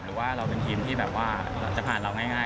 หรือว่าเราเป็นทีมที่แบบว่าจะผ่านเราง่าย